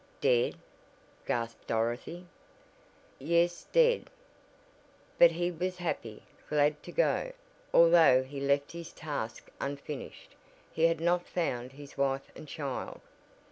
"Dead!" gasped Dorothy. "Yes, dead. But he was happy, glad to go, although he left his task unfinished he had not found his wife and child."